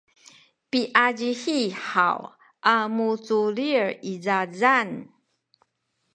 piazihi haw a muculil i zazan